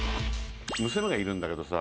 娘がいるんだけどさ